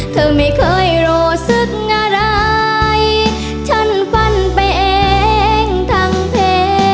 เธอไม่เคยรู้สึกอะไรฉันฟันไปเองทั้งเพลง